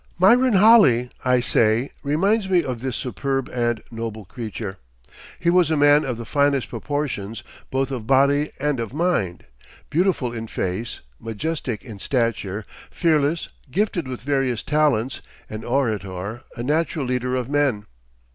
Myron Holley, I say, reminds me of this superb and noble creature. He was a man of the finest proportions both of body and of mind, beautiful in face, majestic in stature, fearless, gifted with various talents, an orator, a natural leader of men.